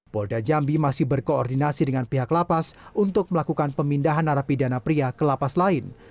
polda jambi masih berkoordinasi dengan pihak lapas untuk melakukan pemindahan narapidana pria ke lapas lain